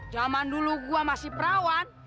zaman dulu gue masih perawat